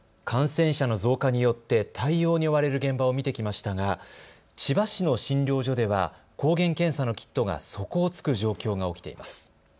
感染者の増加によって対応に追われる現場を見てきましたが千葉市の診療所では抗原検査のキットが底をつく状況が起きています。